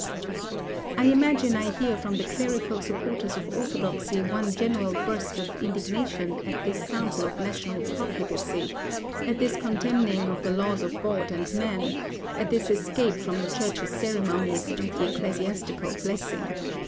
"I imagine I hear from the clerical supporters of orthodoxy one general burst of indignation at this sample of national profligacy; at this contemning of the laws of God and man; at this escape from the Church's ceremonies and the ecclesiastical blessing.